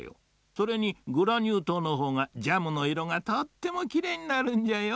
それにグラニューとうのほうがジャムの色がとってもきれいになるんじゃよ。